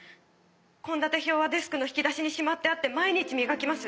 献立表はデスクの引き出しにしまってあって毎日磨きます。